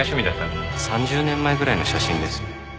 ３０年前ぐらいの写真ですね。